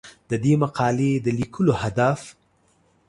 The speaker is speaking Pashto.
د دې مقالې د لیکلو هدف